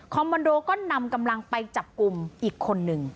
มมันโดก็นำกำลังไปจับกลุ่มอีกคนนึง